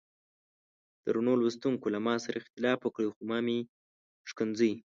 درنو لوستونکو له ما سره اختلاف وکړئ خو مه مې ښکنځئ.